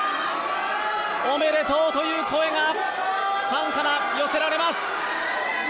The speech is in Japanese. おめでとうという声がファンから寄せられます。